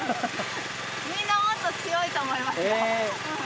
みんなもっと強いと思いますよ。